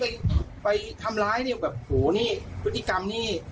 ไปไปทำร้ายเนี่ยแบบโหนี่พฤติกรรมนี่